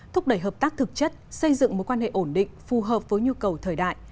thúc đẩy hợp tác thực chất xây dựng mối quan hệ ổn định phù hợp với nhu cầu thời đại